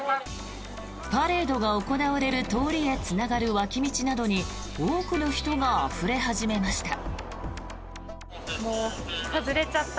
パレードが行われる通りへつながる脇道などに多くの人があふれ始めました。